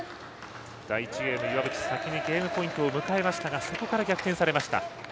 第１ゲーム、岩渕先にゲームポイントを迎えましたがそこから逆転されました。